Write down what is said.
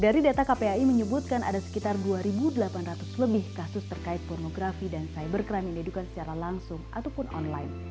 dari data kpai menyebutkan ada sekitar dua delapan ratus lebih kasus terkait pornografi dan cybercrime yang didudukkan secara langsung ataupun online